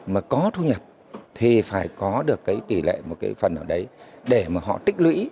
mà có thu nhập thì phải có được cái tỷ lệ một cái phần nào đấy để mà họ tích lũy